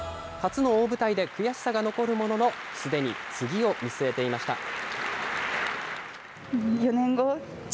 初の大舞台で悔しさが残るものの、すでに次を見据えていました。